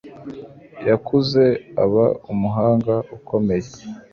Yakuze aba umuhanga ukomeye